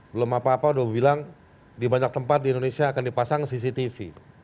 belum apa apa udah bilang di banyak tempat di indonesia akan dipasang cctv